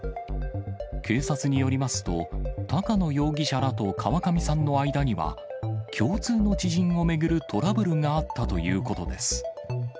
警察によりますと、高野容疑者らと川上さんの間には、共通の知人を巡るトラブルがあったということです。